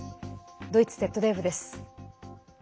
ドイツＺＤＦです。